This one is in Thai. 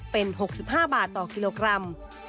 เป็น๖๕บาทต่อกิโลกรัม